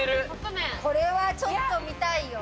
これはちょっと見たいよ。